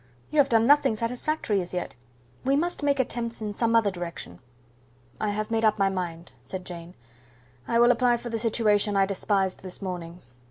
you have done nothing satisfactory as yet. We must make attempts in some other direction." "I have made up my mind," said Jane; "I will apply for the situation I despised this morning.